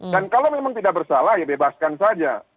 dan kalau memang tidak bersalah ya bebaskan saja